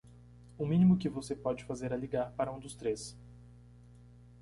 O mínimo que você pode fazer é ligar para um dos três.